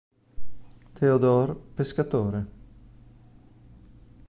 Théodore Pescatore